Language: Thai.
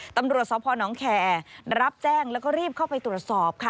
ตำรวจสพนแคร์รับแจ้งแล้วก็รีบเข้าไปตรวจสอบค่ะ